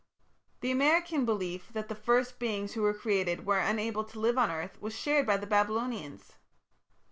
The American belief that the first beings who were created were unable to live on earth was shared by the Babylonians.